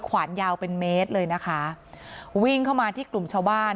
ขวานยาวเป็นเมตรเลยนะคะวิ่งเข้ามาที่กลุ่มชาวบ้าน